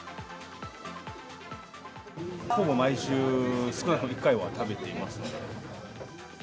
ほぼ毎週、少なくとも１回は食べていますね。